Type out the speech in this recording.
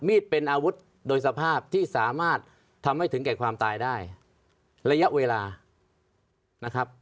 เป็นอาวุธโดยสภาพที่สามารถทำให้ถึงแก่ความตายได้ระยะเวลานะครับ